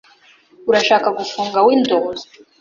Urashaka gufunga Windows?